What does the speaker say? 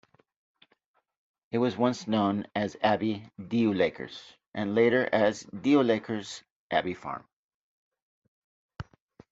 It was once known as Abbey Dieulacres, and later as Dieulacres Abbey Farm.